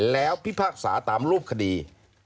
แล้วพิพากษาตามรูปคดี